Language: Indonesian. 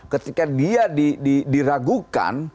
ketika dia diragukan